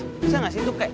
bisa gak sih itu kayak